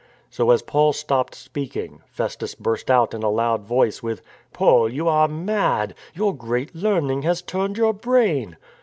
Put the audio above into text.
So, as Paul stopped speaking, Festus burst out in a loud voice with: " Paul, you are mad; your great learning has turned your brain."